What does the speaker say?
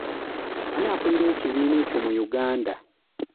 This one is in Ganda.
Ani akulira ekibiina ekyo mu Uganda?